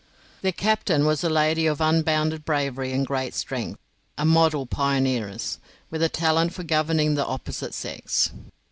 Their captain was a lady of unbounded bravery and great strength a model pioneeress, with a talent for governing the opposite sex.